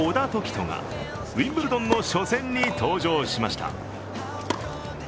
人がウィンブルドンの初戦に登場しました。